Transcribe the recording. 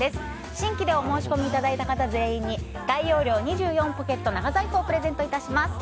新規でお申し込みいただいた方全員に大容量２４ポケット長財布をプレゼントいたします。